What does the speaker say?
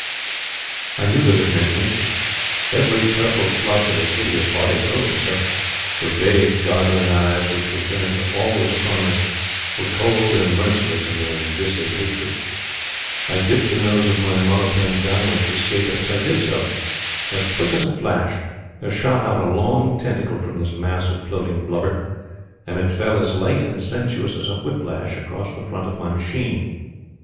"I knew that it meant mischief. Every purple flush of its hideous body told me so. The vague, goggling eyes which were turned always upon me were cold and merciless in their viscid hatred. I dipped the nose of my monoplane downwards to escape it. As I did so, as quick as a flash there shot out a long tentacle from this mass of floating blubber, and it fell as light and sinuous as a whip lash across the front of my machine.